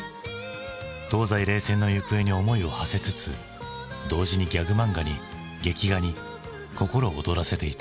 東西冷戦の行方に思いをはせつつ同時にギャグ漫画に劇画に心を躍らせていた。